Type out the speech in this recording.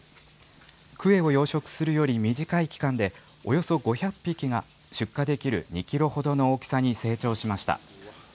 クエを養殖するより短い期間で、およそ５００匹が、出荷できる２キロほどの大きさに成長しました。